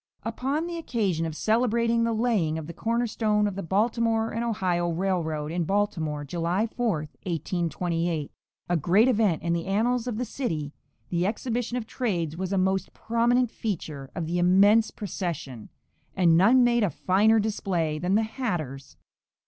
Upon the occasion of celebrating the laying of the cornerstone of the Baltimore and Ohio Railroad in Baltimore, July 4, 1828 (a great event in the annals of the city), the exhibition of trades was a most prominent feature of the immense procession, and none made a finer display than the hatters.